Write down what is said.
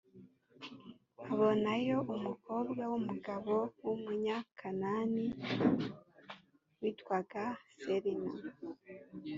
abonayo umukobwa w umugabo w umunyakananib witwaga serina